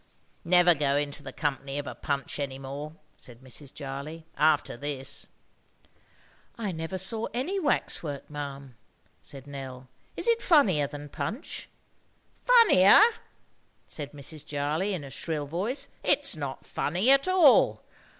"Never go into the company of a Punch any more," said Mrs. Jarley, "after this." "I never saw any wax work, ma'am," said Nell. "Is it funnier than Punch?" "Funnier!" said Mrs. Jarley in a shrill voice. "It is not funny at all."